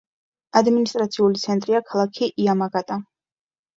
ადმინისტრაციული ცენტრია ქალაქი იამაგატა.